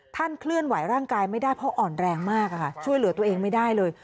เคลื่อนไหวร่างกายไม่ได้เพราะอ่อนแรงมากช่วยเหลือตัวเองไม่ได้เลย